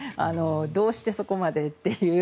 どうしてそこまでっていう。